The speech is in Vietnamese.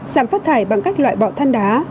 giảm phát thải bằng các loại bọ thăn đá